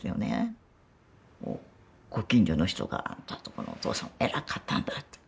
ご近所の人が「あんたのとこのお父さんは偉かったんだ」と。